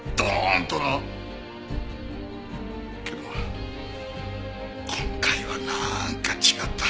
けど今回はなーんか違った。